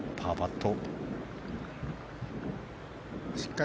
パーパット。